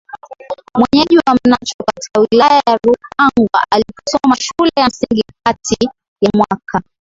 mwenyeji wa Mnacho katika Wilaya ya Ruangwa aliposoma shule ya msingi kati ya mwaka